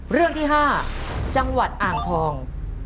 เรื่องที่๕จังหวัดอ่างทอง